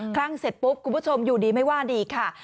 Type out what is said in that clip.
คลั่งเสร็จปุ๊บคุณผู้ชมอยู่ดีไม่ว่าดีค่ะ